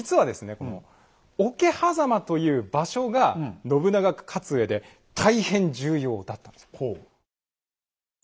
この桶狭間という場所が信長が勝つうえで大変重要だったんですよ。